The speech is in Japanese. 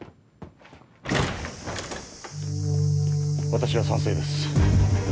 私は賛成です